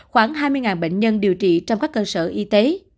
khoảng hai mươi bệnh nhân điều trị trong các cơ sở y tế